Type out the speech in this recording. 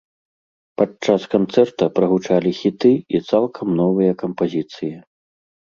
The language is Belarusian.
Падчас канцэрта прагучалі хіты і цалкам новыя кампазіцыі.